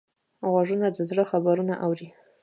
غوږونه د زړه خبرونه اوري